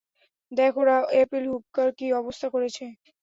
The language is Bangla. দেখ ওরা এমিল হুপকার কি অবস্থা করেছে।